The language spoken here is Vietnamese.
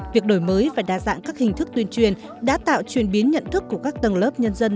việc đổi mới và đa dạng các hình thức tuyên truyền đã tạo truyền biến nhận thức của các tầng lớp nhân dân